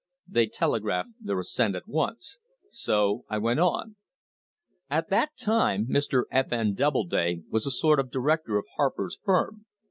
They telegraphed their assent at once; so I went on. At that time Mr. F. N. Doubleday was a sort of director of Harper's firm.